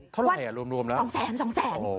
เท่าไหร่อ่ะรวมแล้ว๒แสน๒แสน